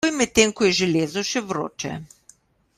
Kuj medtem ko je železo še vroče.